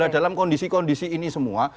dalam kondisi kondisi ini semua